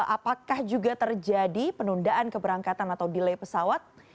apakah juga terjadi penundaan keberangkatan atau delay pesawat